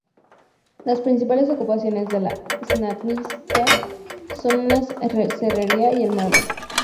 Las principales ocupaciones de la "stanitsa" son una serrería y el mármol.